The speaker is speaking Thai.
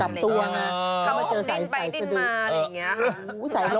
ทำไมเจอสายสะดือ